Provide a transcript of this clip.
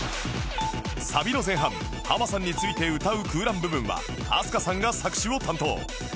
サビの前半ハマさんについて歌う空欄部分は飛鳥さんが作詞を担当